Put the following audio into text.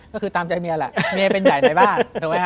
ก็คือตามใจเมียแหละเมียเป็นใจในบ้าน